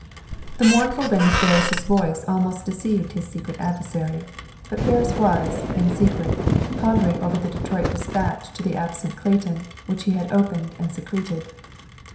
The mournful ring of Ferris' voice almost deceived his secret adversary; but Ferris was, in secret, pondering over the Detroit dispatch to the absent Clayton, which he had opened and secreted.